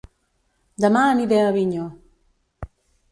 Dema aniré a Avinyó